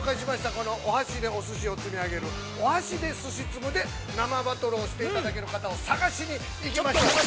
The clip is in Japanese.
このお箸でお寿司を積みあげるお箸で寿司積むで生バトルをしていただける方を探しに、行きましょう。